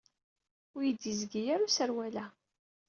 Ur iyi-d-yezgi ara userwal-a